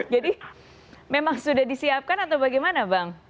jadi memang sudah disiapkan atau bagaimana bang